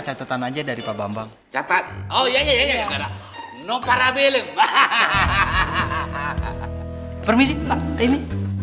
catatan aja dari pak bambang catat oh ya ya ya ya no parabelem hahaha permisi pak ini